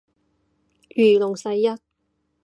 如龍世一